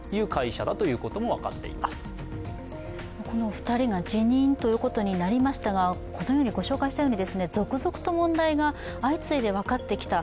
２人が辞任ということになりましたが、続々と問題が相次いで分かってきた。